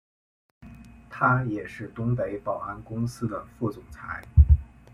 他也是东北保安公司的副总裁。